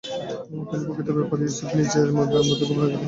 কিন্তু প্রকৃত ব্যাপার ইউসুফ নিজের মনের মধ্যে গোপন করে রাখল।